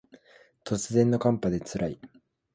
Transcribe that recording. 突然の寒波で辛い